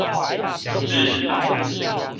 抿